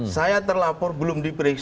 saya terlapor belum diperiksa